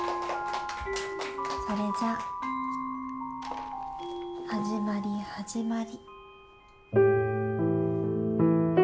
それじゃあ始まり始まり。